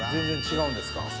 全然違うんですか？